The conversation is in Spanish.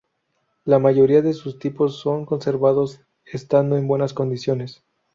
La mayoría de sus Tipos son conservados, estando en buenas condiciones.